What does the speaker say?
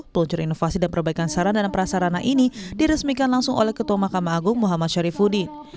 kultur inovasi dan perbaikan sarana dan prasarana ini diresmikan langsung oleh ketua mahkamah agung muhammad syarifudin